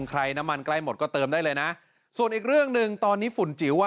ใครน้ำมันใกล้หมดก็เติมได้เลยนะส่วนอีกเรื่องหนึ่งตอนนี้ฝุ่นจิ๋วอ่ะ